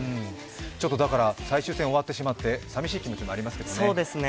最終戦終わってしまってさみしい気持ちになりますけどね。